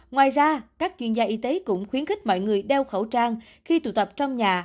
ngoài ra các chuyên gia y tế cũng khuyến khích mọi người đeo khẩu trang khi tụ tập trong nhà